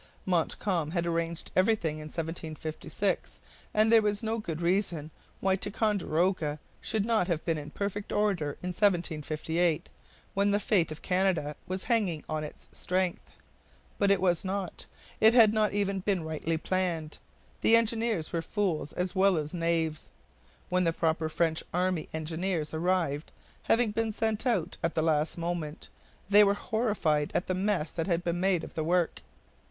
Montcalm had arranged everything in 1756, and there was no good reason why Ticonderoga should not have been in perfect order in 1758, when the fate of Canada was hanging on its strength. But it was not. It had not even been rightly planned. The engineers were fools as well as knaves. When the proper French army engineers arrived, having been sent out at the last moment, they were horrified at the mess that had been made of the work.